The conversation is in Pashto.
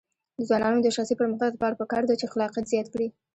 د ځوانانو د شخصي پرمختګ لپاره پکار ده چې خلاقیت زیات کړي.